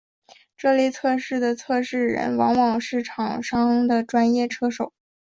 这类测试的测试人往往是厂商的专业车手。